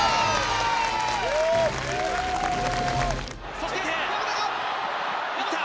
・そして・・いった！